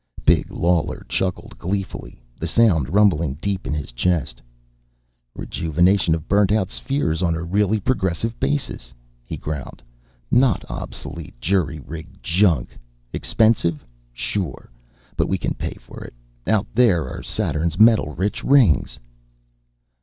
Big Lawler chuckled gleefully, the sound rumbling deep in his chest. "Rejuvenation of burnt out spheres on a really progressive basis," he growled. "No obsolete, jury rigged junk! Expensive? Sure! But we can pay for it! Out there are Saturn's metal rich Rings!"